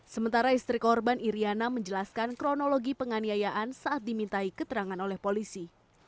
sementara istri korban iryana menjelaskan kronologi penganiayaan saat dimintai keterangan oleh polisi